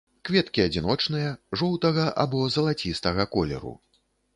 Кветкі адзіночныя, жоўтага або залацістага колеру.